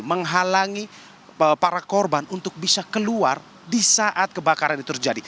menghalangi para korban untuk bisa keluar di saat kebakaran itu terjadi